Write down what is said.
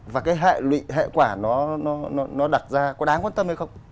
và cái hệ quả nó đặt ra có đáng quan tâm hay không